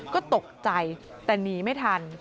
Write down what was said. ก็ตกใจแต่หนีไม่ทัน